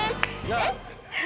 えっ？